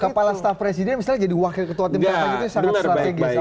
kepala staf presiden misalnya jadi wakil ketua tim kampanye itu sangat strategis